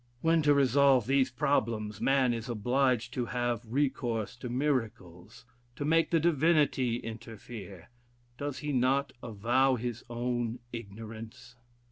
When to resolve these problems, man is obliged to have recourse to miracles, to make the Divinity interfere, does he not avow his own ignorance?